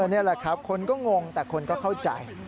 นี่แหละครับคนก็งงแต่คนก็เข้าใจ